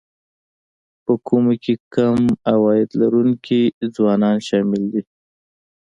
په کومو کې کم عاید لرونکي ځوانان شامل دي